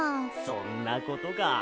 そんなことか。